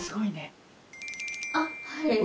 あっはい。